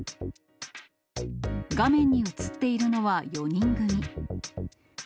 画面に写っているのは４人組。